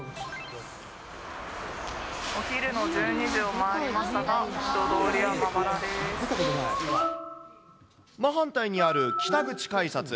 お昼の１２時を回りましたが、真反対にある北口改札。